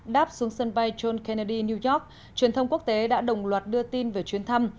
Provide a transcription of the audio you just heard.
đáp xuống sân bay john kennedy new york truyền thông quốc tế đã đồng loạt đưa tin về chuyến thăm